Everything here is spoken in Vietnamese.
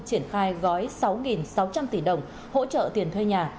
triển khai gói sáu sáu trăm linh tỷ đồng hỗ trợ tiền thuê nhà